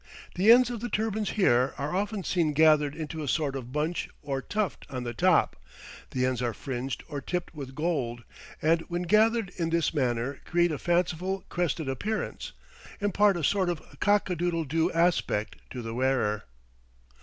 The ends of the turbans here are often seen gathered into a sort of bunch or tuft on the top; the ends are fringed or tipped with gold, and when gathered in this manner create a fanciful, crested appearance impart a sort of cock a doodle doo aspect to the wearer.